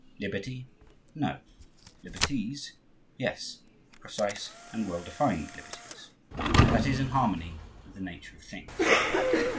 Liberty, no; liberties, yes,—precise and well defined liberties. That is in harmony with the nature of things.